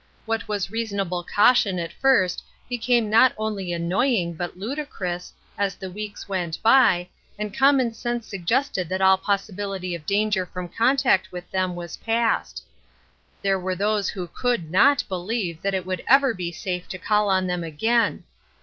What was reasonable caution at first became not only annoying but ludicrous, as the weeks went by, and common sense sug gested that all possibility of danger from con tact with them was past ; there were those who could not believe that it would eve ^^e to call on them again.